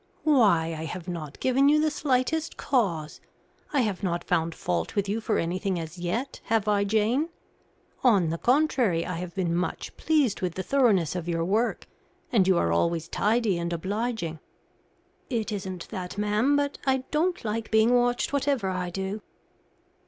"Why, I have not given you the slightest cause. I have not found fault with you for anything as yet, have I, Jane? On the contrary, I have been much pleased with the thoroughness of your work. And you are always tidy and obliging." "It isn't that, ma'am; but I don't like being watched whatever I do."